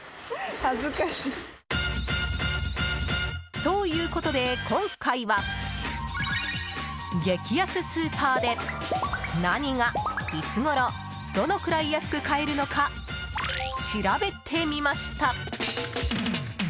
ということで、今回は激安スーパーで何が、いつごろどのくらい安く買えるのか調べてみました。